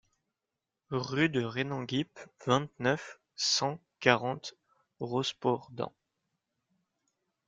Rue de Rénanguip, vingt-neuf, cent quarante Rosporden